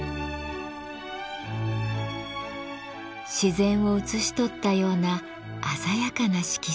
自然を写し取ったような鮮やかな色彩。